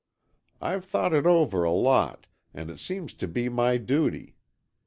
I've thought it over a lot, and it seemed to be my duty.